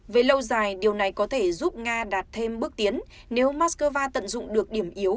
về lâu dài điều này có thể giúp nga đạt thêm bước tiến nếu moscow tận dụng được điểm yếu